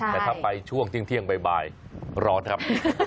แต่ถ้าไปช่วงเที่ยงบ่ายร้อนครับ